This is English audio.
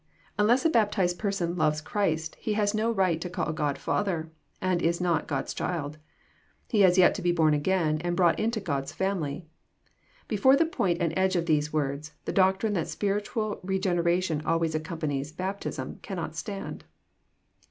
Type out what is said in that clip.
Unless a baptized person loves Christ, he has no right to call God Father, and is not God's child. He has yet to be born again, and brought into God's family. Before the point and edge of these words, the doctrine that spiritual re generation always accompanies baptism cannot stand.